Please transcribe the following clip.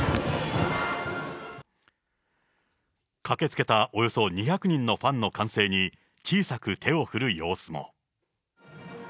駆けつけたおよそ２００人のファンの歓声に小さく手を振る様子も。